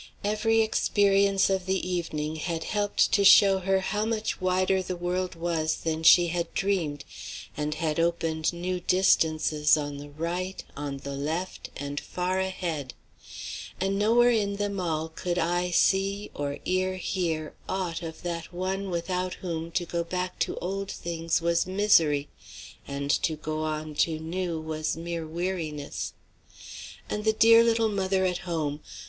Every experience of the evening had helped to show her how much wider the world was than she had dreamed, and had opened new distances on the right, on the left, and far ahead; and nowhere in them all could eye see, or ear hear, aught of that one without whom to go back to old things was misery, and to go on to new was mere weariness. And the dear little mother at home!